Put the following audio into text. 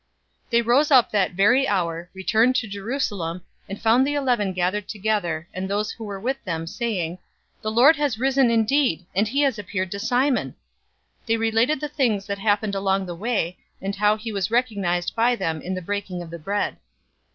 024:033 They rose up that very hour, returned to Jerusalem, and found the eleven gathered together, and those who were with them, 024:034 saying, "The Lord is risen indeed, and has appeared to Simon!" 024:035 They related the things that happened along the way, and how he was recognized by them in the breaking of the bread.